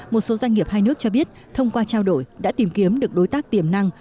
một số doanh nghiệp hai nước cho biết thông qua trao đổi đã tìm kiếm được đối tác tiềm năng